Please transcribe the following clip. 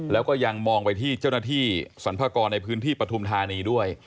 แล้วก็ยังมองไปที่เจ้าหน้าที่สรรพากรในพื้นที่ปฐุมธานีด้วย